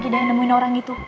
saya udah nemuin orang itu